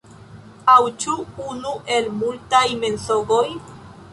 Aŭ ĉu unu el multaj mensogoj?